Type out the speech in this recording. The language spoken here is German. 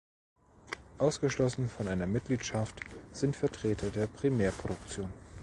Ausgeschlossen von einer Mitgliedschaft sind Vertreter der Primärproduktion.